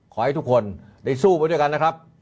ขอให้ทุกคนได้สู้ไปด้วยกันนะครับ